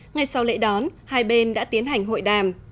ngay sau lễ đón hai bên đã tiến hành hội đàm